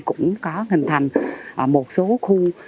cũng có hình thành một số khu